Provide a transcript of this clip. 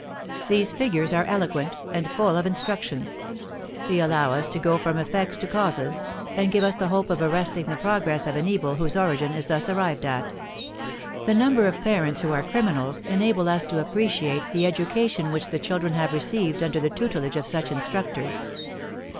These figures are eloquent, and full of instruction. They allow us to go from effects to causes, and give us the hope of arresting the progress of an evil whose origin is thus arrived at. The number of parents who are criminals enable us to appreciate the education which the children have received under the tutelage of such instructors.